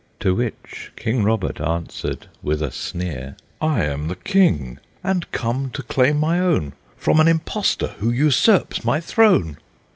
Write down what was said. To which King Robert answered, with a sneer, "I am the King, and come to claim my own From an impostor, who usurps my throne!"